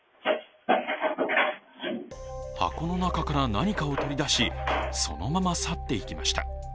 箱の中から何かを取り出しそのまま去って行きました。